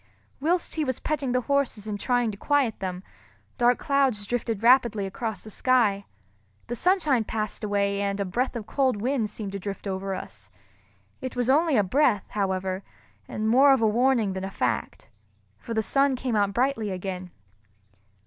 Whilst he was petting the horses and trying to quiet them, dark clouds drifted rapidly across the sky. The sunshine passed away, and a breath of cold wind seemed to drift over us. It was only a breath, however, and more of a warning than a fact, for the sun came out brightly again.